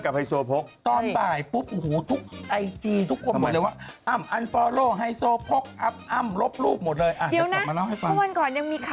ชิคกี้พายไปอัมเสด็มแล้วก็ผ่านถนนนี้นะ